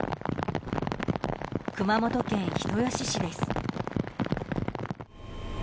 熊本県人吉市です。